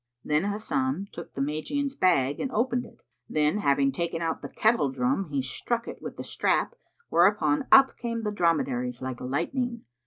Then Hasan took the Magian's bag and opened it, then having taken out the kettle drum he struck it with the strap, whereupon up came the dromedaries like lightning.